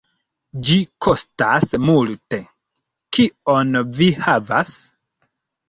Ĝi kostas multe. Kion vi havas?"